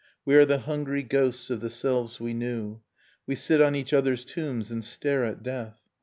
We are the hungry ghosts of the selves we knew ; We sit on each other's tombs and stare at death.